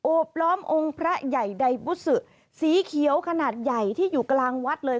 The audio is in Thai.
บล้อมองค์พระใหญ่ไดบุษือสีเขียวขนาดใหญ่ที่อยู่กลางวัดเลย